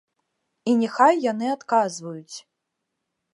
І няхай яны адказваюць.